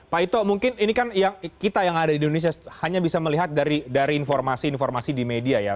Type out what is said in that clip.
pak ito mungkin ini kan kita yang ada di indonesia hanya bisa melihat dari informasi informasi di media ya